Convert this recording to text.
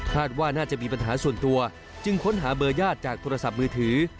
ว่าน่าจะมีปัญหาส่วนตัวจึงค้นหาเบอร์ญาติจากโทรศัพท์มือถือ